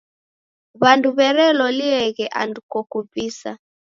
W'andu w'erelolieghe andu kokuvisa.